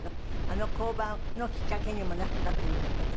あの降板のきっかけにもなったという事で。